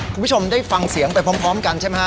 คุณผู้ชมได้ฟังเสียงไปพร้อมกันใช่ไหมฮะ